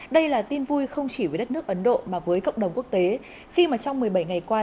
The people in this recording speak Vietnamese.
đây là tin vui không chỉ với đất nước ấn độ mà với cộng đồng quốc tế khi mà trong một mươi bảy ngày qua